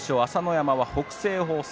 山は北青鵬戦